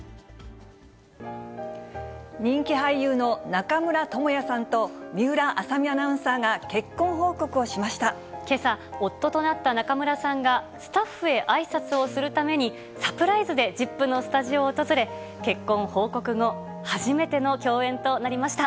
人気俳優の中村倫也さんと水卜麻美アナウンサーが結婚報告をけさ、夫となった中村さんがスタッフへあいさつをするために、サプライズでＺＩＰ！のスタジオを訪れ、結婚報告後、初めての共演となりました。